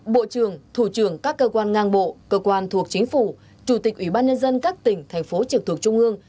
bộ trưởng thủ trưởng các cơ quan ngang bộ cơ quan thuộc chính phủ chủ tịch ủy ban nhân dân các tỉnh thành phố trực thuộc trung ương